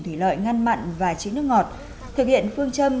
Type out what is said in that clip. thủy lợi ngăn mặn và chứa nước ngọt thực hiện phương châm